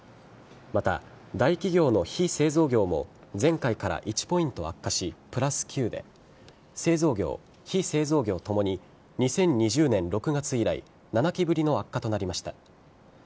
また、大企業の非製造業も前回から１ポイント悪化しプラス９で製造業、非製造業ともに２０２０年６月以来７期ぶりの悪化となりました。